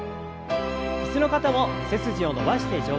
椅子の方も背筋を伸ばして上体を前に。